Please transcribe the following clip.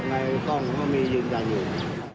พี่อุ๋ยพ่อจะบอกว่าพ่อจะรับผิดแทนลูก